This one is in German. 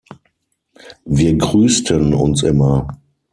Wir grüßten uns immer.